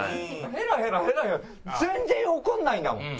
ヘラヘラヘラヘラ全然怒らないんだもん。